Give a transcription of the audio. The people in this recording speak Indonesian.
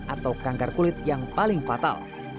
atau kanker kulit yang paling fatal